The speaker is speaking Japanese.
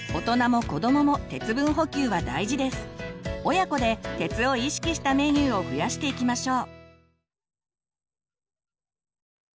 親子で鉄を意識したメニューを増やしていきましょう。